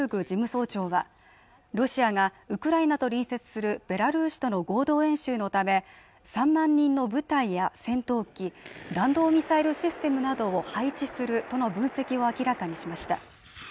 事務総長はロシアがウクライナと隣接するベラルーシとの合同演習のため３万人の部隊や戦闘機弾道ミサイルシステムなどを配置するとの分析を明らかにしました